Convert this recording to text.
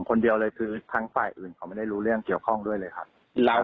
คนเดียวเลยคือทั้งฝ่ายอื่นเขาไม่ได้รู้เรื่องเกี่ยวข้องด้วยเลยครับ